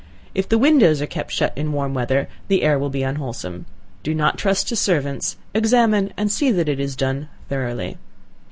If the windows are kept shut in warm weather, the air will be unwholesome. Do not trust to servants, examine and see that it is done thoroughly.